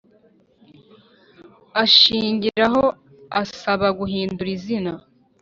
Ashingiraho asaba guhindura izina